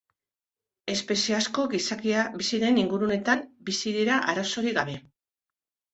Espezie asko gizakia bizi den inguruneetan bizi dira arazorik gabe.